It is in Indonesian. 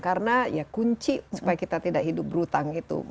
karena ya kunci supaya kita tidak hidup berhutang itu